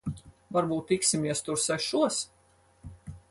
Varbūt tiksimies tur sešos?